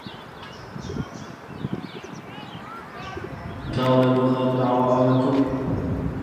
کاڵێ بۆ خاتر عەواڵان لە کۆ